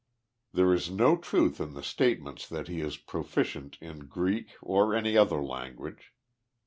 There is no truth in the statements that he is proficient in Greek, or any other language.